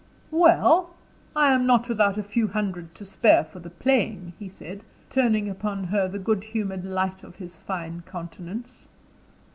"Well? I am not without a few hundred to spare for the playing," he said, turning upon her the good humored light of his fine countenance.